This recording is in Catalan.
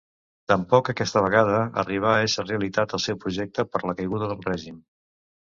Tampoc aquesta vegada arribà a esser realitat el seu projecte per la caiguda del règim.